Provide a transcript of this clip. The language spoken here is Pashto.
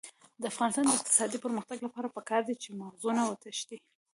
د افغانستان د اقتصادي پرمختګ لپاره پکار ده چې مغزونه وتښتي نه.